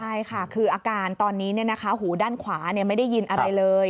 ใช่ค่ะคืออาการตอนนี้หูด้านขวาไม่ได้ยินอะไรเลย